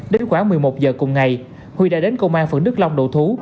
đến khoảng một mươi một giờ cùng ngày huy đã đến công an phượng đức long đầu thú